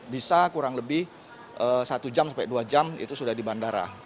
bisa kurang lebih satu jam sampai dua jam itu sudah di bandara